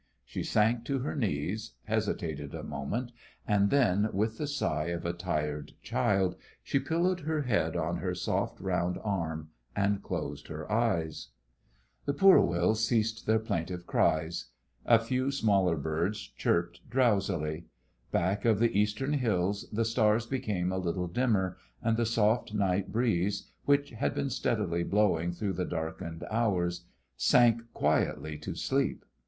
She sank to her knees, hesitated a moment, and then, with the sigh of a tired child, she pillowed her head on her soft round arm and closed her eyes. The poor wills ceased their plaintive cries. A few smaller birds chirped drowsily. Back of the eastern hills the stars became a little dimmer, and the soft night breeze, which had been steadily blowing through the darkened hours, sank quietly to sleep.